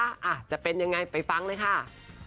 อาจจะเป็นยังไงไปฟังเลยค่ะ